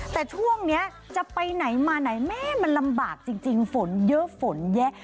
แต่ช่วงนี้จะไปไหนมาไหนแม่มันลำบากจริงฝนเยอะฝนแยะ